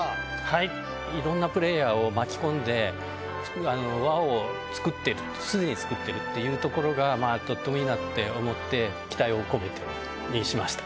いろんなプレーヤーを巻き込んで輪をすでに作ってるっていうところがとってもいいなって思って期待を込めてしました。